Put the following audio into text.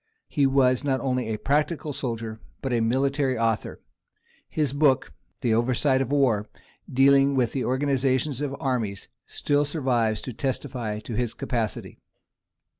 He was not only a practical soldier, but a military author: his book, Περὶ Παραδρόμης πολέμου, dealing with the organization of armies, still survives to testify to his capacity.